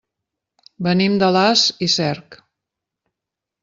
Venim d'Alàs i Cerc.